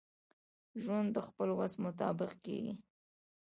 ژوند دخپل وس مطابق کیږي.